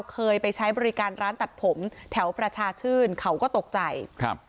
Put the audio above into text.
เคยไปใช้บริการร้านตัดผมแถวประชาชื่นเขาก็ตกใจครับ